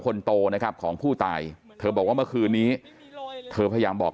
คนโตนะครับของผู้ตายเธอบอกว่าเมื่อคืนนี้เธอพยายามบอก